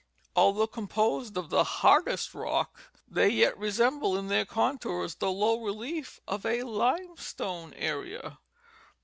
Although composed of the hardest rock, they yet resemble in their contours, the low relief of a limestone area.